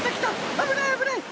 あぶないあぶない！